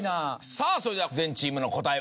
さぁそれでは全チームの答え